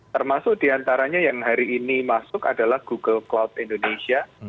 termasuk diantaranya yang hari ini masuk adalah google cloud indonesia